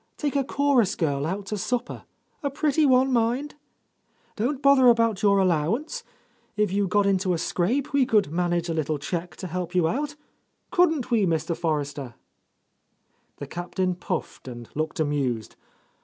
Take a chorus girl out to supper — a pretty one, mind! Don't bother about your allowance. If you got into a scrape, we could manage a little cheque to help you out, couldn't we, Mr. Forres ter?" The Captain puffed and looked amused.